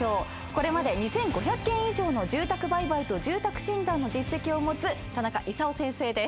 これまで２，５００件以上の住宅売買と住宅診断の実績を持つ田中勲先生です。